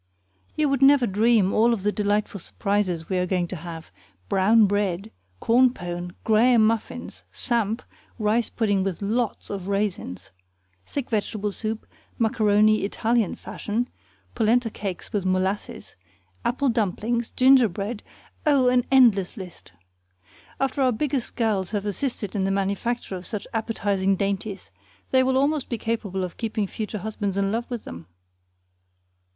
You would never dream all of the delightful surprises we are going to have: brown bread, corn pone, graham muffins, samp, rice pudding with LOTS of raisins, thick vegetable soup, macaroni Italian fashion, polenta cakes with molasses, apple dumplings, gingerbread oh, an endless list! After our biggest girls have assisted in the manufacture of such appetizing dainties, they will almost be capable of keeping future husbands in love with them.